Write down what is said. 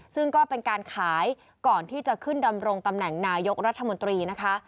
ซึ่งก็เป็นการขายก่อนที่จะขึ้นดำรงตำแหน่งนายกรัฐมนตรีนะคะ